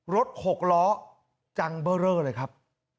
หกล้อจังเบอร์เรอเลยครับ